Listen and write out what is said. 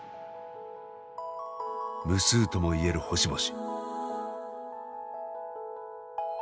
無数ともいえる星々。